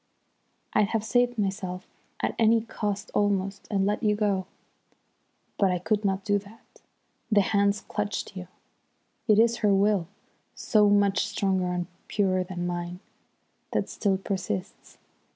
I'd have saved myself at any cost almost, and let you go. But I could not do that. The hands clutched you. It is her will, so much stronger and purer than mine, that still persists.